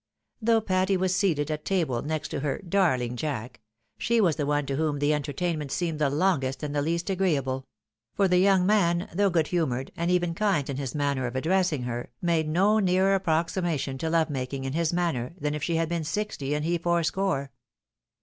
Though Patty was seated at table next to her " darling Jack, ' she was the one to whom the entertainment seemed the longest and the least agreeable ; for the young man, though good humoured, and even kind in his manner of addressing her, made no n earer approximation to love making in his manner than if she had been sixty, and he fourscore.